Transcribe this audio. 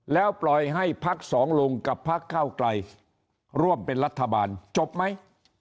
แล้วปล่อยให้พักสองลุงกับพักเก้าไกลร่วมเป็นรัฐบาลจบไหม